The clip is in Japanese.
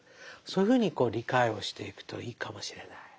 そういうふうに理解をしていくといいかもしれない。